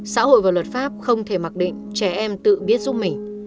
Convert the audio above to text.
xã hội và luật pháp không thể mặc định trẻ em tự biết giúp mình